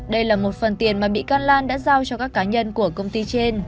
đây là một phần tiền mà bị can lan đã giao cho các cá nhân của công ty trên